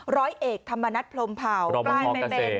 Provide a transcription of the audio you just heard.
ร้อยเอกธรรมนัฏพลมเผารอมชเกษตร